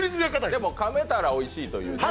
でもかめたらおいしいというね。